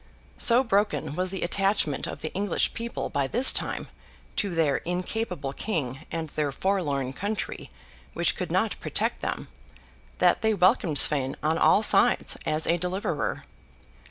So broken was the attachment of the English people, by this time, to their incapable King and their forlorn country which could not protect them, that they welcomed Sweyn on all sides, as a deliverer.